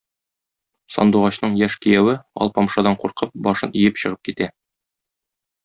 Сандугачның яшь кияве, Алпамшадан куркып, башын иеп чыгып китә.